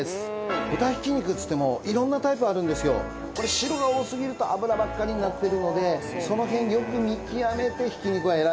白が多すぎると脂ばっかりになってるのでその辺よく見極めてひき肉は選んでください。